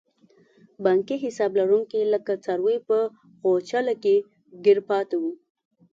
بانکي حساب لرونکي لکه څاروي په غوچله کې ګیر پاتې وو.